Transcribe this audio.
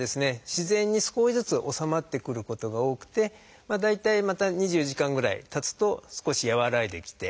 自然に少しずつ治まってくることが多くて大体また２４時間ぐらいたつと少し和らいできて。